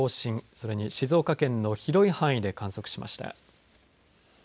それに静岡県の広い範囲で観測しました。